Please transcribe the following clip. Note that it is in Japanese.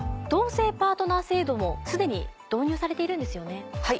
同性パートナー制度も既に導入されているんですよね。